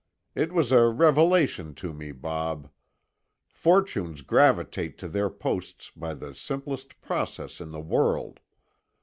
It was a revelation to me, Bob. Fortunes gravitate to their posts by the simplest process in the world.